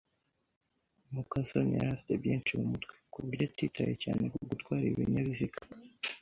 muka soni yari afite byinshi mu mutwe, ku buryo atitaye cyane ku gutwara ibinyabiziga.